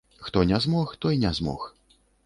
Хто не змог, той не змог.